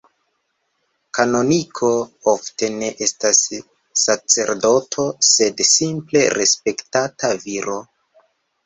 Kanoniko ofte ne estas sacerdoto, sed simple respektata viro.